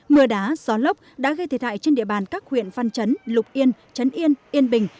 mưa đá gió lốc đã gây thiệt hại trên địa bàn các huyện văn chấn lục yên trấn yên yên bình